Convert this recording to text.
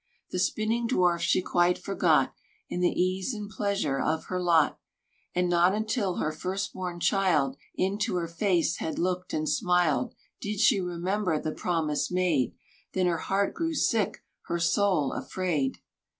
The spinning dwarf she quite forgot In the ease and pleasure of her lot; And not until her first born child Into her face had looked and smiled Did she remember the promise made; Then her heart grew sick, her soul afraid.